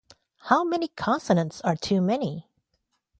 How many consonants are too many?